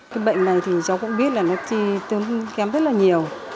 cái bệnh này thì cháu cũng biết là nó chi tương kém rất là nhiều